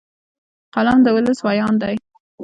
قلم د ولس ویاند دی